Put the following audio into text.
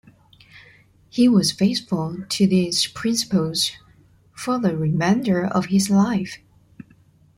He was faithful to these principles for the remainder of his life.